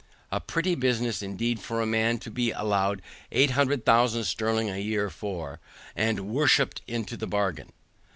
A pretty business indeed for a man to be allowed eight hundred thousand sterling a year for, and worshipped into the bargain!